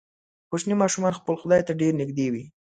کوچني ماشومان خپل خدای ته ډیر نږدې وي.